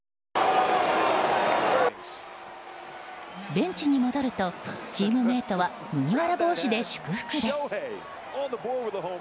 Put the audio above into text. ベンチに戻るとチームメートは麦わら帽子で祝福です。